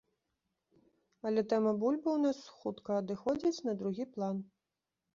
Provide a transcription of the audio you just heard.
Але тэма бульбы ў нас хутка адыходзіць на другі план.